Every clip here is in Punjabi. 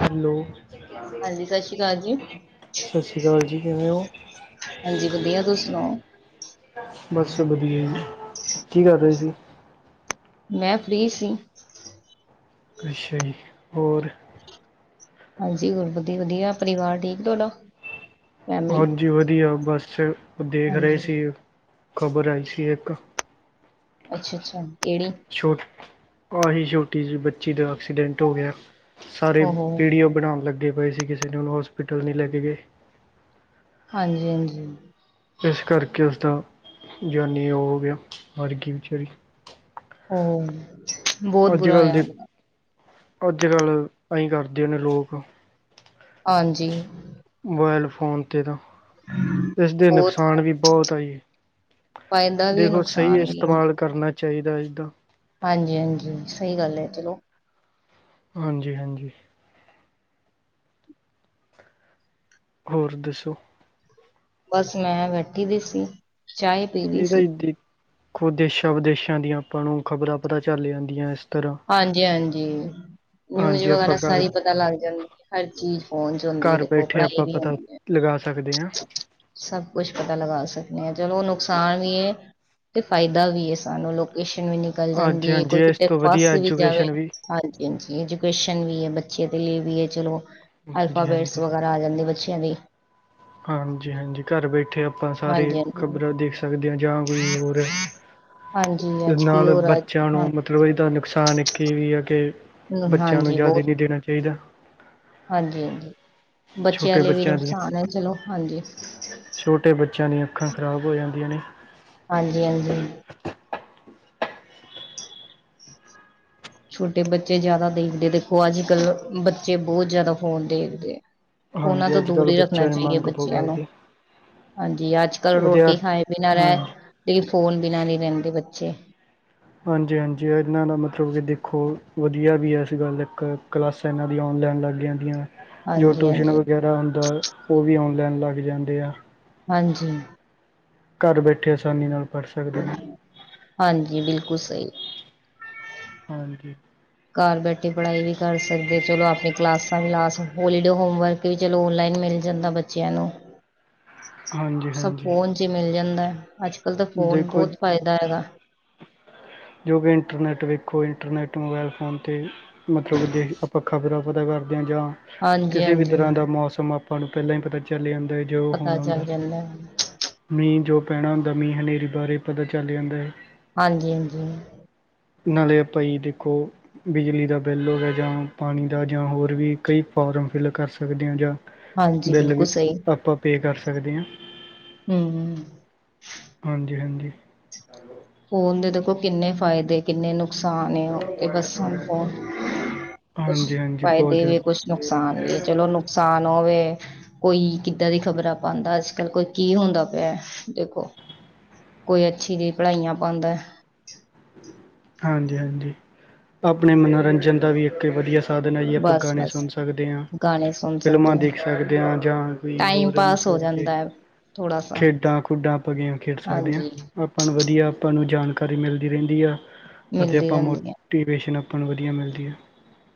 ਹੈਲੋ। ਸਤਿ ਹਾਂਜੀ ਸਤਿ ਸ਼੍ਰੀ ਅਕਾਲ ਜੀ ਸ੍ਰੀ ਅਕਾਲ ਜੀ, ਕਿਵੇਂ ਓ? ਹਾਂਜੀ ਵਧੀਆ, ਤੁਸੀ ਸੁਣਾਓ? ਬਸ ਵਧੀਆ ਜੀ, ਕੀ ਕਰਰੇ ਸੀ? ''ਮੈਂ ਫ੍ਰੀ ਸੀ। ਅੱਛਾ ਜੀ, ਹੋਰ? ਹਾਂਜੀ ਹੋਰ ਵਦੀਆ-ਵਦੀਆ ਪਰੀਵਾਰ ਠੀਕ ਤੋਆਡਾ? ਹਾਂਜੀ ਵਧੀਆ ਬਸ ਦੇਖ ਰਏ ਹਾਂਜੀ ਸੀ ਖਬਰ ਆਈ ਸੀ ਏਕ ਅੱਛਾ ਛਾ ਕੇੜੀ? ਛੋ ਆਹੀ ਛੋਟੀ ਜੀ ਬੱਚੀ ਦਾ ਐਕਸੀਡੈਂਟ ਹੋ ਗੇਆ ਸਾਰੇ ਓਹੋ ਵੀਡੀਓ ਬਣਾਉਣ ਲੱਗੇ ਪਏ ਸੀ ਕੀਸੇ ਨੇ ਓਨੂੰ ਹੋਸਪਿਟਲ ਨਈ ਲੈ ਕੇ ਗਏ। ਹਾਂਜੀ-ਹਾਂਜੀ। ਏਸ ਕਰਕੇ ਓਦਾ ਜਾਨੀ ਓ ਹੋ ਗਿਆ ਮਰਗੀ ਵੀਚਾਰੀ। ਓ ਅੱਜ-ਕੱਲ ਦੇ, ਅੱਜ-ਕੱਲ ਅਈ ਕਰਦੇ ਨੇ ਲੋਕ ਹਾਂਜੀ। ਮੋਬੈਲ ਫੋਨ ਤੇ ਤਾਂ ਏਸਦੇ ਬਹੁਤ ਨੁਕਸਾਨ ਵੀ ਬੌਤ ਆ ਜੀ, ਫਾਇਦਾ ਵੀ ਹੈ, ਦੇਖੋ ਸਹੀ ਨੁਕਸਾਨ ਏਸਤੇਮਾਲ ਕਰਨਾ ਚਾਈਦਾ ਇਸਦਾ। ਹਾਂਜੀ-ਹਾਂਜੀ ਸਈ ਗੱਲ ਐ ਚਲੋ ਹਾਂਜੀ-ਹਾਂਜੀ। ਹੋਰ ਦੱਸੋ? ਬਸ ਮੈਂ ਬੈਠੀ ਦੀ ਸੀ ਚਾਏ ਪੀ ਰਹੀ ਏਦਾ ਸੀ ਜੀ ਦੇਖੋ ਦੇਸ਼ਾਂ ਵਿਦੇਸ਼ਾਂ ਦੀਆਂ ਆਪਾਂ ਨੂੰ ਖ਼ਬਰਾਂ ਪਤਾ ਚੱਲ ਜਾਂਦੀਆਂ ਏਸ ਹਾਂਜੀ-ਹਾਂਜੀ ਨਿਊਜ ਹਾਂਜੀ ਆਪਾਂ ਵਗੈਰਾ ਘਰ ਸਾਰੀ ਪਤਾ ਲੱਗ ਜਾਂਦੀ ਹਰ ਚੀਜ਼ ਫੋਨ ਚ ਹੁੰਦੀ ਏ ਦੇਖੋ ਪੜ੍ਹਾਈ ਵੀ ਹੁੰਦੀ ਐ ਗਾ ਸਕਦੇ ਆਂ। ਸਭ ਕੁਛ ਪਤਾ ਲਗਾ ਸਕਦੇ ਆ ਚਲੋ ਨੁਕਸਾਨ ਵੀ ਏ ਤੇ ਫਾਇਦਾ ਵੀ ਏ ਸਾਨੂੰ ਲੋਕੇਸ਼ਨ ਵੀ ਨਿਕਲ ਹਾਂਜੀ ਜਾਂਦੀ ਏ ਹਾਂਜੀ ਕੋਈ ਇਸ ਕੀਤੇ ਤੋਂ ਫੱਸ ਵਧੀਆ ਵੀ ਜਾਵੇ, ਐਜੂਕੇਸ਼ਨ ਵੀ ਹਾਂਜੀ ਐਜੂਕੇਸ਼ਨ ਵੀ ਏ ਬੱਚੇ ਦੇ ਲਈ ਵੀ ਏ ਚਲੋ, ਹਾਂਜੀ ਅਲਫਾਬੈਟਸ ਹਾਂਜੀ ਵਗੈਰਾ ਆ ਜਾਂਦੇ ਬੱਚਿਆਂ ਦੀ। ਹਾਂਜੀ-ਹਾਂਜੀ ਘਰ ਬੈਠੇ ਆਪਾਂ ਸਾਰੇ ਹਾਂਜੀ ਹਾਂਜੀ ਖ਼ਬਰਾਂ ਦੇਖ ਸਕਦੇ ਆ ਜਾਂ ਵੀ ਨੀ ਹੋ ਰੇਆ ਹਾਂਜੀ ਤੇ ਅੱਜ ਕੀ ਨਾਲ ਹੋ ਰਿਹਾ ਬਚੇਆ ਨੂੰ ਹਾਂਜੀ ਨੁਕਸਾਨ ਇੱਕ ਏ ਵੀ ਆ ਕਿ ਹਮ, ਬੱਚਿਆਂ ਨੂੰ ਹਾਂਜੀ ਜਾਦੇ ਨਈ ਦੇਣਾ ਚਾਈਦਾ। ਹਾਂਜੀ-ਹਾਂਜੀ ਬੱਚੇਆਂ ਛੋਟੇ ਲਈ ਵੀ ਬੱਚਿਆਂ ਦੀਆਂ ਨੁਕਸਾਨ ਐ ਚਲੋ ਹਾਂਜੀ। ਛੋਟੇ ਬੱਚੇਆਂ ਦੀਆਂ ਅੱਖਾਂ ਖਰਾਬ ਹੋ ਜਾਂਦੀਆਂ ਨੇ। ਹਾਂਜੀ-ਹਾਂਜੀ। ਛੋਟੇ ਬੱਚੇ ਜਾਦਾ ਦੇਖਦੇ ਦੇਖੋ ਅੱਜ-ਕੱਲ ਬੱਚੇ ਬੋ ਜਾਦਾ ਫੋਨ ਦੇਖਦੇ ਆ। ਫੂਨਾ ਹਾਂਜੀ ਤੋਂ ਅੱਜ ਦੂਰ ਕੱਲ੍ਹ ਈ ਰੱਖਣਾ ਬੱਚਿਆਂ ਦੀ ਚਾਈਏ ਮੰਗ ਬਹੁਤ ਬੱਚਿਆਂ ਨੂੰ। ਕਰਦੇ ਹਾਂਜੀ ਅੱਜ-ਕੱਲ ਰੋਟੀ ਵਿਦਿਆਰ ਖਾਏ ਬਿਨਾਂ ਰੈ ਹਾਂਜੀ ਲੇਕਿਨ ਫੋਨ ਬਿਨਾਂ ਨਈ ਰੈਦੇ ਬੱਚੇ। ਹਾਂਜੀ-ਹਾਂਜੀ ਏਨਾਂ ਦਾ ਮਤਲਵ ਕਿ ਦੇਖੋ ਵਧੀਆ ਵੀ ਆ ਏਸ ਗੱਲ ਇੱਕ ਕਲਾਸ ਏਨਾਂ ਦੀਆਂ ਔਨਲਾਈਨ ਲੱਗ ਜਾਂਦੀਆਂ ਜੋ ਹਾਂਜੀ ਟਿਊਸ਼ਨ ਹਾਂਜੀ ਵਗੈਰਾ ਹੁੰਦਾ ਓ ਵੀ ਔਨਲਾਈਨ ਲੱਗ ਜਾਂਦੇ ਆ ਹਾਂਜੀ। ਘਰ ਬੈਠੇ ਆਸਾਨੀ ਨਾਲ ਪੜ੍ਹ ਸਕਦੇ ਨੇ। ਹਾਂਜੀ ਬਿਲਕੁਲ ਸਈ। ਹਾਂਜੀ। ਘਰ ਬੈਠੇ ਪੜ੍ਹਾਈ ਵੀ ਕਰ ਸਕਦੇ ਚਲੋ ਆਪਣੇ ਕਲਾਸਾਂ ਵੀ ਲਾ ਸਕ ਹੋਲੀਡੇ ਹੋਮਵਰਕ ਵੀ ਚਲੋ ਔਨਲਾਈਨ ਮਿਲ ਜਾਂਦਾ ਬੱਚਿਆਂ ਨੂੰ। ਹਾਂਜੀ ਸਭ ਹਾਂਜੀ ਫੋਨ ਚ ਈ ਮਿਲ ਜਾਂਦਾ ਏ ਅੱਜ ਕੱਲ ਤਾਂ ਫੋਨ ਦੇਖੋ ਬੋਤ ਫੈਦਾ ਹੈਗਾ ਜੋ ਕਿ ਇੰਟਰਨੈੱਟ ਵੇਖੋ ਇੰਟਰਨੈੱਟ ਮੋਬਾਇਲ ਫੋਨ 'ਤੇ ਮਤਲਬ ਕਿ ਦੇ ਆਪਾਂ ਖ਼ਬਰਾਂ ਪਤਾ ਕਰਦੇ ਆ ਜਾਂ ਹਾਂਜੀ ਕਿਸੇ ਵੀ ਹਾਂਜੀ ਤਰ੍ਹਾਂ ਦਾ ਮੌਸਮ ਪੜ ਪਹਿਲਾਂ ਹੀ ਪਤਾ ਚੱਲ ਜਾਂਦਾ ਜੋ ਪਤਾ ਹੋਣਾ ਚੱਲ ਹੁੰਦਾ। ਜਾਂਦਾ ਹੈ। ਮੀਂਹ ਜੋ ਪੈਣਾ ਹੁੰਦਾ ਮੀਂਹ ਹਨੇਰੀ ਬਾਰੇ ਪਤਾ ਚੱਲ ਜਾਂਦਾ ਹੈ। ਹਾਂਜੀ-ਹਾਂਜੀ ਨਾਲੇ ਆਪਾਂ ਈ ਦੇਖੋ। ਬਿਜਲੀ ਦਾ ਬਿੱਲ ਹੋਵੇ ਜਾਂ ਪਾਣੀ ਦਾ ਜਾਂ ਹੋਰ ਵੀ ਕਈ ਫੋਰਮ ਫਿਲ ਕਰ ਸਕਦੇ ਹਾ। ਜਾਂ ਹਾਂਜੀ ਬਿੱਲ ਬਿਲਕੁਲ ਵੀ ਸਹੀ ਆਪਾਂ ਪੇ ਕਰ ਸਕਦੇ ਹਾਂ। ਹਮ ਹਾਂਜੀ-ਹਾਂਜੀ ਫੋਨ ਦੇ ਦੇਖੋ ਕਿੰਨੇ ਫਾਇਦੇ ਕਿੰਨੇ ਨੁ ਨੁਕਸਾਨ ਤੇ ਬੱਸ ਨੂੰ ਫ ਕੁਛ ਹਾਂਜੀ ਹਾਂਜੀ ਬਹੁਤ ਫਾਇਦੇ ਵੀ ਜ਼ਿਆਦਾ ਕੁਛ ਨੁਕਸਾਨ ਵੀ ਹੈ। ਚਲੋ ਨੁਕਸਾਨ ਹੋਵੇ। ਕੋਈ ਕਿੱਦਾਂ ਦੀ ਖ਼ਬਰਾਂ ਪਾਉਂਦਾ ਅੱਜ ਕੱਲ ਕੋਈ ਕੀ ਹੁੰਦਾ ਪਿਆ। ਦੇਖੋ ਕੋਈ ਅੱਛੀ ਜਿਹੀ ਪੜ੍ਹਾਈਆਂ ਪਾਉਂਦਾ। ਹਾਂਜੀ-ਹਾਂਜੀ ਆਪਣੇ ਮਨੋਰੰਜਨ ਦਾ ਵੀ ਇੱਥੇ ਵਧੀਆ ਸਾਧਨ ਆ ਹੀ ਏ ਆਪਾਂ ਬਸ ਗਾਣੇ ਬਸ ਸੁਣ ਸਕਦੇ ਹਾਂ, ਗਾਣੇ ਸੁਣ ਫਿਲਮਾਂ ਸਕਦੇ ਹਾਂ ਦੇਖ ਸਕਦੇ ਹਾਂ। ਜਾਂ ਕੋਈ ਟਾਈਮ ਹੋਰ ਆ ਪਾਸ ਹੋ ਮਤਲਬ ਕੇ ਜਾਂਦਾ ਹੈ ਥੋੜਾ ਸਾ ਖੇਡਾਂ-ਖੁਡਾਂ ਆਪਾਂ ਗੇਮ ਖੇਡ ਸਕਦੇ ਹਾਂ। ਹਾਂਜੀ ਆਪਾਂ ਨੂੰ ਵਧੀਆ ਆਪਾਂ ਨੂੰ ਜਾਣਕਾਰੀ ਮਿਲਦੀ ਰਹਿੰਦੀ ਆ ਅਤੇ ਮਿਲਦੀ ਆਪਾਂ ਮੋ ਰਹਿੰਦੀ ਹੈ ਟੀਵੇਸ਼ਨ ਆਪਾਂ ਨੂੰ ਵਧੀਆ ਮਿਲਦੀ ਐ।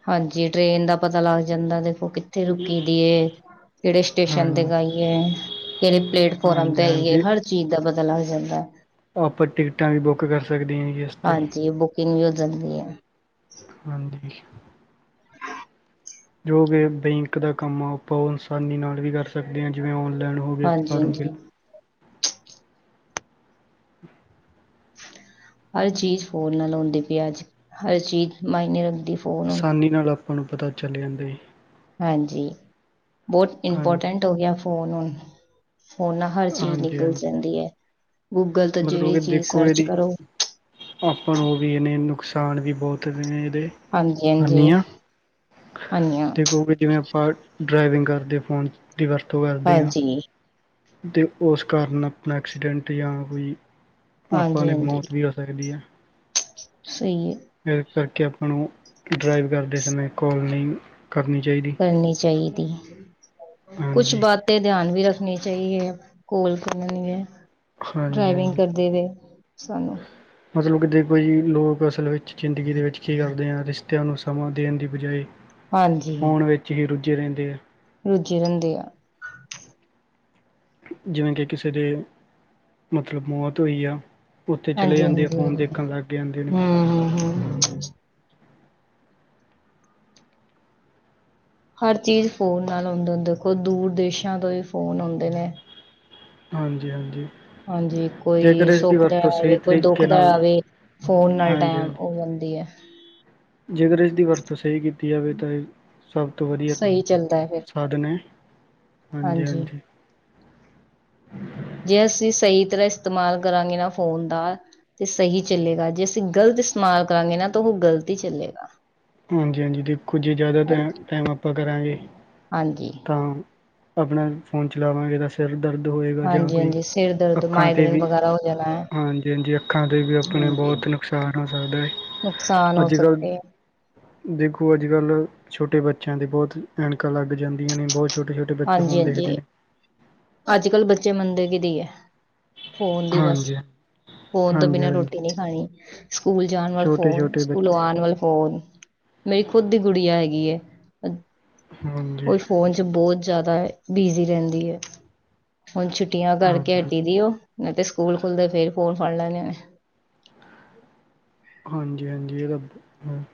ਹਾਂਜੀ। ਟ੍ਰੇਨ ਦਾ ਪਤਾ ਲੱਗ ਜਾਂਦਾ। ਦੇਖੋ ਕਿੱਥੇ ਰੁਕੀ ਦੀ ਏ ਕਿਹੜੇ ਸਟੇਸ਼ਨ ਤੇ ਹਾਂਜੀ ਗਈ ਏ ਕਿਹੜੇ ਪਲੇਟਫੋਰਮ ਤੇ ਹਾਂਜੀ ਆਈਏ ਹਾਂਜੀ ਹਰ ਚੀਜ਼ ਦਾ ਪਤਾ ਲੱਗ ਜਾਂਦਾ। ਆਪਾਂ ਟਿਕਟਾਂ ਵੀ ਬੁੱਕ ਕਰ ਸਕਦੇ ਆਂ ਇਸ 'ਤੇ ਕਿਨੀ ਉ ਜਲਦੀ ਐ ਹਾਜੀ। ਜੋ ਕਿ ਬੈਂਕ ਦਾ ਕੰਮ ਆ ਆਪਾਂ ਉਹ ਆਨਸਾਨੀ ਨਾਲ ਵੀ ਕਰ ਸਕ ਸਕਦੇ ਹਾਂ ਜਿਵੇਂ ਔਨਲਾਈਨ ਹੋਵੇ ਹਾਂਜੀ ਫਾਰਮ ਹਾਂਜੀ ਹਰ ਚੀਜ਼ ਫੋਲ ਨਾਲ ਆਉਦੇ ਪਿਆਜ਼। ਹਰ ਚੀਜ਼ ਮਾਇਨੇ ਰੱਖਦੀ ਫ਼ੋਨ ਹੁਣ ਆਸਾਨੀ ਨਾਲ ਆਪਾਂ ਨੂੰ ਪਤਾ ਚੱਲ ਜਾਂਦਾ ਹੈ। ਹਾਂਜੀ, ਬਹੁਤ ਹਾਂਜੀ ਇੰਪੋਰਟੈਂਟ ਹੋ ਗਿਆ ਫੋਨ ਹੁਣ ਫੋਨ ਨਾਲ ਹਰ ਚੀਜ਼ ਹਾਂਜੀ ਨਿਕਲ ਹਾਂਜੀ ਜਾਂਦੀ ਹੈ। ਗੂਗਲ ਤੋਂ ਮਤਲਬ ਜਿਹੜੀ ਕਿ ਚੀਜ਼ ਦੇਖੋ ਸਰਚ ਇਹਦੀ ਕਰੋ ਆਪਾਂ ਨੂੰ ਉਹ ਵੀ ਇਹਨੇ ਨੁਕਸਾਨ ਵੀ ਬਹੁਤ ਨੇ ਇਹਦੇ ਹਾਂਜੀ ਹਾਂਜੀ ਹਾਨੀਆ ਹਾਂਜੀ ਤੇ ਕਹੋ ਕਿ ਜਿਵੇਂ ਆਪਾਂ ਡਰਾਈਵਿੰਗ ਕਰਦੇ ਫੋਨ ਦੀ ਵਰਤੋਂ ਕਰਦੇ ਹਾਂ। ਹਾਂਜੀ ਅਤੇ ਉਸ ਕਾਰਨ ਆਪਣਾ ਐਕਸੀਡੈਂਟ ਜਾਂ ਕੋਈ ਆਪਾਂ ਹਾਂਜੀ ਨੇ ਹਾਂਜੀ ਮੌਤ ਵੀ ਹੋ ਸਕਦੀ ਆ। ਸਹੀ ਹੈ। ਇਸ ਕਰਕੇ ਆਪਾਂ ਨੂੰ ਡਰਾਈਵ ਕਰਦੇ ਸਮੇਂ ਕੋਲ ਨਹੀਂ ਕਰਨੀ ਚਾਹੀਦੀ। ਕਰਨੀ ਚਾਹੀਦੀ। ਕੁਛ ਹਾਂਜੀ ਬਾਤ ਤੇ ਧਿਆਨ ਵੀ ਰੱਖਣੀ ਚਾਹੀਏ। ਕੋੋਲ ਕਰਣੀ ਹੈ। ਹਾਂਜੀ ਡਰਾਈਵਿੰਗ ਹਾਂਜੀ ਕਰਦੇ ਵੇ ਸਾਨੂੰ ਮਤਲਬ ਕਿ ਦੇਖੋ ਜੀ ਲੋਕ ਅਸਲ ਵਿੱਚ ਜ਼ਿੰਦਗੀ ਦੇ ਵਿੱਚ ਕੀ ਕਰਦੇ ਆ। ਰਿਸ਼ਤਿਆਂ ਨੂੰ ਸਮਾਂ ਦੇਣ ਦੀ ਬਜਾਏ ਫੋਨ ਵਿੱਚ ਹੀ ਰੁੱਝੇ ਰਹਿੰਦੇ ਆ। ਰੁੱਝੇ ਰਹਿੰਦੇ ਆ। ਜਿਵੇਂ ਕਿ ਕਿਸੇ ਦੇ ਮਤਲਬ ਮੌਤ ਹੋਈ ਆ। ਉੱਥੇ ਚਲੇ ਹਾਂਜੀ ਜਾਂਦੇ ਆ। ਹਾਂਜੀ ਫੋਨ ਹੂੰ ਦੇਖਣ ਲੱਗ ਜਾਂਦੇ ਨੇ। ਹੂੰ ਹੂੰ ਹਰ ਚੀਜ਼ ਫੋਨ ਨਾਲ ਹੁੰਦੇ ਹੁਣ ਦੇਖੋ ਦੂਰ ਦੇਸ਼ਾਂ ਤੋਂ ਵੀ ਫੋਨ ਆਉਂਦੇ ਨੇ। ਹਾਂਜੀ-ਹਾਂਜੀ। ਹਾਂਜੀ, ਕੋਈ ਸੁੱਖ ਦਾ ਸਹੀ ਆਵੇ, ਕੋਈ ਦੁੱਖ ਤਰੀਕੇ ਦਾ ਨਾਲ ਆਵੇ। ਫੋਨ ਨਾਲ ਹਾਂਜੀ ਟੈਮ ਹਾਂਜੀ [unintelligible] ਐ। ਜੇਕਰ ਇਸਦੀ ਵਰਤੋਂ ਸਹੀ ਕੀਤੀ ਜਾਵੇ ਤਾਂ ਇਹ ਸਭ ਤੋਂ ਵਧੀਆ। ਸਹੀ ਚੱਲਦਾ ਐ ਫਿਰ, [unintelligible] ਨੇ ਹਾਂਜੀ ਹਾਂਜੀ। ਜੇ ਅਸੀਂ ਸਹੀ ਤਰ੍ਹਾਂ ਇਸਤੇਮਾਲ ਕਰਾਂਗੇ ਨਾ ਫੋਨ ਦਾ। ਤੇ ਸਹੀ ਚੱਲੇਗਾ ਜੇ ਅਸੀਂ ਗ਼ਲਤ ਇਸਤੇਮਾਲ ਕਰਾਂਗੇ ਨਾ ਤਾਂ ਓ ਗ਼ਲਤ ਈ ਚੱਲੇਗਾ। ਹਾਂਜੀ ਹਾਂਜੀ ਦੇਖੋ ਜੇ ਜ਼ਿਆਦਾ ਟ ਹਾਂਜੀ। ਟੈਮ ਆਪਾਂ ਕਰਾਂਗੇ ਹਾਂਜੀ, ਤਾਂ। ਆਪਣਾ ਫੋਨ ਚਲਾਵਾਂਗੇ ਤਾਂ ਸਿਰ ਦਰਦ ਹੋਏਗਾ ਜਾਂ ਕੋਈ ਹਾਂਜੀ-ਹਾਂਜੀ ਸਿਰ ਦਰਦ, ਅੱਖਾਂ 'ਤੇ ਮਾਈਗ੍ਰੇਨ ਵੀ ਵਗੈਰਾ ਹੋ ਜਾਣਾ ਹੈ, ਹਾਂਜੀ ਹਾਂਜੀ ਅ ਅੱਖਾਂ 'ਤੇ ਵੀ ਆਪਣੇ ਬਹੁਤ ਨੁਕਸਾਨ ਹੋ ਸਕਦਾ ਐ। ਨੁਕਸਾਨ ਹੋ ਸਕਦੇ ਐ। ਦੇਖੋ ਅੱਜ ਕੱਲ੍ਹ ਛੋਟੇ ਬੱਚਿਆਂ ਦੇ ਬਹੁਤ ਐਨਕਾਂ ਲੱਗ ਜਾਂਦੀਆਂ ਨੇ ਬੋ, ਛੋਟੇ ਛੋਟੇ ਬੱਚੇ ਫੋਨ ਦੇਖਦੇ ਨੇ। ਅੱਜ ਕੱਲ ਬੱਚੇ ਮੰਨਦੇ ਕੀਦੀ ਐ ਫੋਨ ਦੀ ਬਸ ਹਾਂਜੀ ਫੋਨ ਤੋਂ ਹਾਂਜੀ ਬਿਨਾਂ ਹਾਂਜੀ ਰੋਟੀ ਨੀ, ਣੀ ਸਕੂਲ ਜਾਣ ਵਾਲੇ ਛੋਟੇ ਫ਼ੋਨ ਛੋਟੇ ਸਕੂਲ ਬੱਚੇ ਆਣ ਵਾਲੇ ਫੋਨ। ਮੇਰੀ ਖੁਦ ਦੀ ਗੁੜੀਆਂ ਹੈਗੀ ਐ। ਓ ਹਾਂਜੀ ਵੀ ਫੋਨ ਚ ਬਹੁਤ ਜ਼ਿਆਦਾ ਬਿਜ਼ੀ ਰਹਿੰਦੀ ਐ। ਹੁਣ ਛੁੱਟੀਆਂ ਕਰਕੇ ਹਾਂਜੀ ਹਟੀ ਦੀ ਓ ਨਹੀਂ ਤੇ ਸਕੂਲ ਖੁੱਲਦੇ ਫੇਰ ਫੋਨ ਫੜ ਲੈਣੇ ਨੇ। ਹਾਂਜੀ ਹਾਂਜੀ ਇਹਦਾ ਹੂੰ,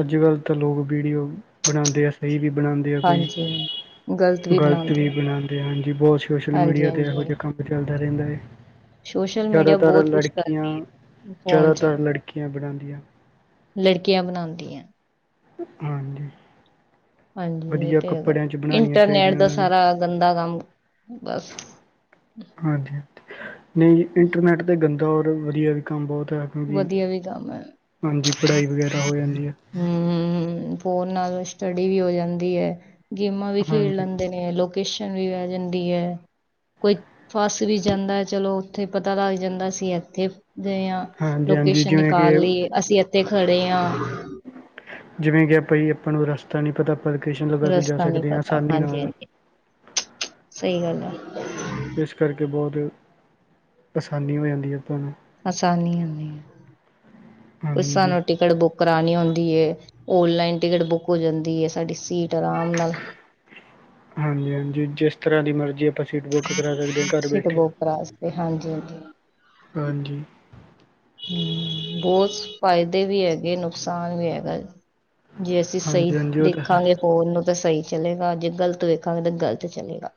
ਅੱਜ ਕੱਲ੍ਹ ਤਾਂ ਲੋਕ ਵੀਡੀਓ ਬਣਾਂਦੇ ਆ ਸਹੀ ਵੀ ਬਣਾਂਦੇ ਆ ਕਈ। ਹਾਂਜੀ ਗਲਤ ਗ਼ਲਤ ਬਣਾਉਂਦੇ ਵੀ ਆ ਬਣਾਂਦੇ ਹਾਂਜੀ ਬਹੁਤ ਸੋਸ਼ਲ ਹਾਂਜੀ ਮੀਡੀਆ ਤੇ ਇਹੋ ਹਾਂਜੀ ਜਾ ਕੰਮ ਚੱਲਦਾ ਰਹਿੰਦਾ ਐ। ਸੋਸ਼ਲ ਮੀਡੀਆ ਜ਼ਿਆਦਾਤਰ ਬਹੁਤ ਕੁਛ ਲੜਕੀਆਂ ਕਰਦੀ ਹੈ ਫੋਨ 'ਚ ਜ਼ਿਆਦਾਤਰ ਲੜਕੀਆਂ ਬਣਾਂਦੀਆਂ। ਲੜਕੀਆਂ ਬਣਾਂਦੀਆਂ। ਹਾਂਜੀ। ਹਾਂਜੀ ਇਹ ਵਧੀਆ ਤੇ ਹੈਗਾ ਕੱਪੜਿਆਂ 'ਚ ਬਣਾਉਣੀਆਂ ਇੰਟਰਨੈਟ ਚਾਹੀਦੀਆਂ ਦਾ ਉਹਨਾਂ ਨੂੰ ਸਾਰਾ ਗੰਦਾ ਕੰਮ ਬਸ। ਹਾਂਜੀ ਨਹੀਂ ਇੰਟਰਨੈੱਟ ਤੇ ਗੰਦਾ ਔਰ ਵਧੀਆ ਵੀ ਕੰਮ ਬਹੁਤ ਐ। ਵਧੀਆ ਵੀ ਕੰਮ ਐ ਪੜ੍ਹਾਈ ਵਗੈਰਾ ਹੋ ਜਾਂਦੀ ਹੈ ਹੂੰ। ਫੋਨ ਨਾਲ ਸਟੱਡੀ ਵੀ ਹੋ ਜਾਂਦੀ ਐ ਗੇਮਾਂ ਵੀ ਖੇਡ ਹਾਂਜੀ ਲੈਂਦੇ ਨੇ। ਲੋਕੇਸ਼ਨ ਵੀ ਵਹਿ ਜਾਂਦੀ ਐ। ਕੋਈ ਫਸ ਵੀ ਜਾਂਦਾ ਐ ਚਲੋ ਉੱਥੇ ਪਤਾ ਲੱਗ ਜਾਂਦਾ ਅ ਇੱਥੇ ਗਏ ਆ। ਹਾਂਜੀ ਹਾਂਜੀ ਲੋਕੇਸ਼ਨ ਜਿਵੇਂ ਕਿ ਨਿਕਾਲ ਲੀ ਅਸੀਂ ਇੱਥੇ ਖੜੇ ਆ। ਜਿਵੇਂ ਕਿ [unintelligible] ਆਪਾਂ ਨੂੰ ਰਸਤਾ ਨੀ ਪਤਾ ਆਪਾਂ ਲੋਕੇਸ਼ਨ ਲਗਾ ਕੇ ਜਾ ਰਸਤਾ ਸਕਦੇ ਆ ਆਸਾਨੀ ਨਾਲ। ਸਈ ਗੱਲ ਆ। ਇਸ ਕਰਕੇ ਬਹੁਤ ਆਸਾਨੀ ਹੋ ਜਾਂਦੀ ਆ ਆਪਾਂ ਨੂੰ। ਆਸਾਨੀ ਆਂਦੀ ਹਾਂਜੀ ਆ [unintelligible] ਟਿਕਟ ਬੁੱਕ ਕਰਾਣੀ ਹੁੰਦੀ ਐ ਓਨਲਾਈਨ ਟਿਕਟ ਬੁੱਕ ਹੋ ਜਾਂਦੀ ਐ ਸਾਡੀ ਸੀਟ ਆਰਾਮ ਨਾਲ। ਹਾਂਜੀ ਹਾਂਜੀ ਜਿਸ ਤਰ੍ਹਾਂ ਦੀ ਮਰਜ਼ੀ। ਆਪਾਂ ਸੀਟ ਬੁੱਕ ਕਰਾ ਸਕਦੇ ਆ ਘਰ ਸੀਟ ਬੈਠੇ ਬੁੱਕ ਕਰਾ ਸਕਦੇ, ਹਾਂਜੀ-ਹਾਂਜੀ। ਹਾਂਜੀ। ਬਹੁਤ ਫਾਇਦੇ ਵੀ ਹੈਗੇ ਨੁਕਸਾਨ ਨੀ ਹੈਗਾ। ਜੇ ਅਸੀਂ ਸਈ ਹਾਂਜੀ ਹਾਂਜੀ ਉਹ ਤਾਂ ਹੈ ਦੇਖਾਂਗੇ ਫੋਨ ਨੂੰ ਤਾਂ ਸਹੀ ਚਲੇਗਾ। ਜੇ ਗ਼ਲਤ ਵੇਖਾਂਗੇ ਤਾਂ ਗ਼ਲਤ ਚਲੇਗਾ।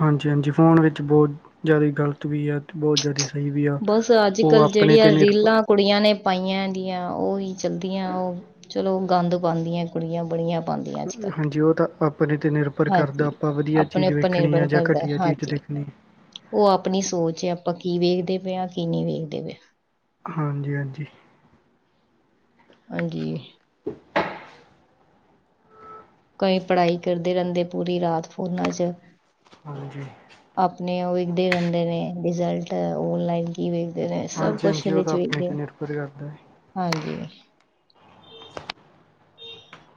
ਹਾਂਜੀ ਹਾਂਜੀ ਫ਼ੋਨ ਵਿੱਚ ਬਹੁਤ ਜ਼ਾਦੀ ਗਲਤ ਵੀ ਹੈ ਤੇ ਬਹੁਤ ਜ਼ਿਆਦਾ ਸ ਬਸ ਅੱਜ ਕੱਲ ਜੇਹੜੀਆਂ ਰੀਲਾਂ ਕੁੜੀਆਂ ਨੇ ਪਾਈਆਂ ਹੈਗੀਆਂ ਉਹੀ ਚਲਦੀਆਂ ਉਹ ਚਲੋ ਗੰਦ ਪਾਉਂਦੀਆਂ ਕੁੜੀਆਂ ਬੜੀਆਂ ਪਾਉਂਦੀਆਂ ਅੱਜ ਕੱਲ੍ਹ ਹਾਂਜੀ ਉਹ ਤਾਂ ਆਪਣੇ ਤੇ ਨਿਰਭਰ ਕਰਦਾ ਹਾਂਜੀ ਆਪਾਂ ਵਧੀਆ ਆਪਣੇ ਚੀਜ਼ ਉੱਪਰ ਵੇਖਣੀ ਹੈ। ਨਿਰਭਰ ਜਾਂ ਕਰਦਾ ਘਟੀਆ ਚੀਜ਼ ਹਾਂਜੀ ਦੇਖਨੀ। ਹਮ ਉਹ ਆਪਣੀ ਸੋਚ ਹੈ ਆਪਾਂ ਕੀ ਵੇਖਦੇ ਪਏ ਹਾਂ। ਕੀ ਨਹੀਂ ਵੇਖਦੇ ਪਏ। ਹਾਂਜੀ ਹਾਂਜੀ। ਹਾਂਜੀ [inaudible] ਕਈ ਪੜ੍ਹਾਈ ਕਰਦੇ ਰਹਿੰਦੇ ਪੂਰੀ ਰਾਤ ਫੋਨਾਂ 'ਚ ਹਾਂਜੀ ਆਪਣੇ ਉਹ ਵੇਖਦੇ ਰਹਿੰਦੇ ਨੇ ਰਿਜ਼ਲਟ ਓਨਲਾਈਨ ਕੀ ਵੇਖਦੇ ਨੇ ਸਭ ਹਾਂਜੀ ਕੁਛ ਹਾਂਜੀ ਉਹ ਇਹਦੇ 'ਚ ਤਾਂ ਆਪਣੇ ਵੇਖਦੇ ਤੇ ਨਿਰਭਰ ਕਰਦਾ ਹੈ ਹਾਂਜੀ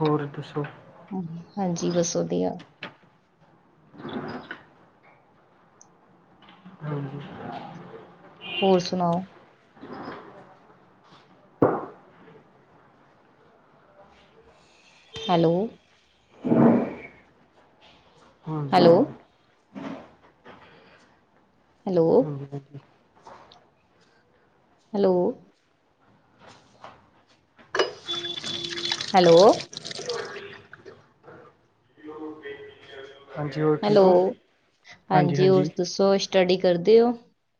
ਹੋਰ ਦੱਸੋ ਹਾਂਜੀ ਹਾਂਜੀ ਬਸ ਵਧੀਆ ਹ [inaudible] ਹਾਂਜੀ ਹੋਰ ਸੁਣਾਓ ਹੈਲੋ ਹਾਂਜੀ ਹੈਲੋ ਹਾਂਜੀ ਹੈਲੋ ਹਾਂਜੀ ਵਧੀਆ ਹੈਲੋ ਹੈਲੋ ਹਾਂਜੀ ਹੋਰ ਹੈਲੋ ਠੀਕ ਹੋ ਹਾਂਜੀ ਹੋਰ ਦੱਸੋ ਸਟਡੀ ਕਰਦੇ ਓ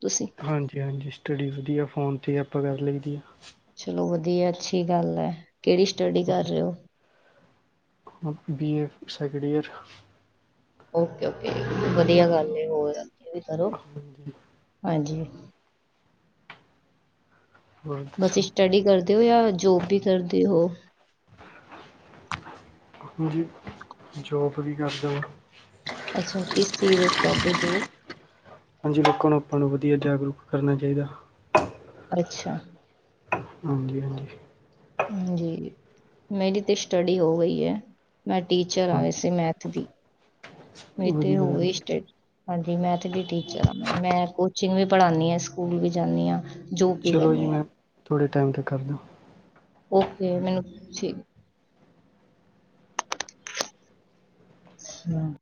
ਤੁਸੀਂ ਹਾਂਜੀ ਹਾਂਜੀ ਸਟਡੀ ਵਧੀਆ ਫੋਨ ਤੇ ਆਪਾਂ ਕਰ ਲਈਦੀ ਆ ਚਲੋ ਵਧੀਆ ਅੱਛੀ ਗੱਲ ਹੈ ਕਿਹੜੀ ਸਟਡੀ ਕਰ ਹਾਂਜੀ ਰਹੇ ਹੋ B A second year okay okay ਵਧੀਆ ਗੱਲ ਹੈ ਹੋਰ ਅੱਗੇ ਵੀ ਕਰੋ ਹਾਂਜੀ ਹੋਰ ਬਸ ਦੱਸੋ ਸਟਡੀ ਕਰਦੇ ਹੋ ਜਾਂ ਜੋਬ ਵੀ ਕਰਦੇ ਹੋ ਹਾਂਜੀ ਜੋਬ ਵੀ ਕਰਦਾ ਅੱਛਾ ਇਸ ਚੀਜ਼ 'ਚ ਸਾਡੇ ਕੋਲ ਹਾਂਜੀ ਲੋਕਾਂ ਨੂੰ ਆਪਾਂ ਨੂੰ ਵਧੀਆ ਜਾਗਰੂਕ ਕਰਨਾ ਚਾਹੀਦਾ ਅੱਛਾ ਹਾਂਜੀ- ਹਾਂਜੀ ਹਾਂਜੀ ਮੇਰੀ ਤੇ ਸਟੱਡੀ ਹੋ ਗਈ ਹੈ ਮੈਂ ਟੀਚਰ ਆ ਹਾਂਜੀ ਏਸੇ ਮੈਥ ਹਾਂਜੀ ਮੈਂਥ ਵਧੀਆ ਗੱਲ, ਦੀ ਟੀਚਰ ਹਾਂ ਮੈਂ ਕੋਚੀ ਨੂੰ ਵੀ ਬਣਾਉਦੀ ਆ ਸਕੂਲ ਵੀ ਜਾਂਦੀ ਹਾਂ ਜੋਬ ਵੀ ਚਲੋ ਜੀ ਕਰਨੀ ਆ ਮੈਂ ਥੋੜੇ ਟਾਈਮ ਤੱਕ ਕਰਦਾ ਓਕੇ ਮੈਨੂੰ ਠੀਕ ਹਮ